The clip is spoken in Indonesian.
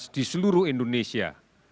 di seluruh indonesia